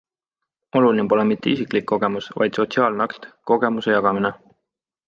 Oluline pole mitte isiklik kogemus, vaid sotsiaalne akt, kogemuse jagamine.